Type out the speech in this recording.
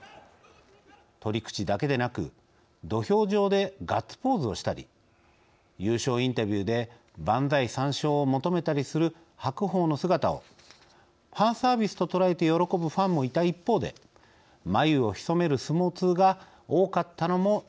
取り口だけでなく土俵上でガッツポーズをしたり優勝インタビューで万歳三唱を求めたりする白鵬の姿をファンサービスと捉えて喜ぶファンもいた一方で眉をひそめる相撲通が多かったのも事実です。